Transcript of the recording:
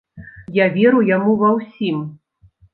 Я веру яму ва ўсім.